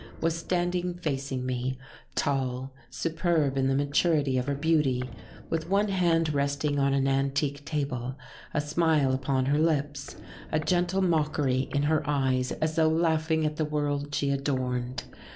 was standing facing me, tall, superb in the maturity of her beauty, with one hand resting on an antique table, a smile upon her lips, a gentle mockery in her eyes as though laughing at the world she adorned.